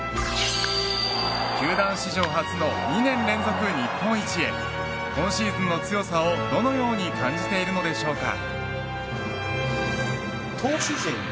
球団史上初の２年連続日本一へ今シーズンの強さをどのように感じているのでしょうか。